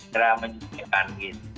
cara menyesuaikan gitu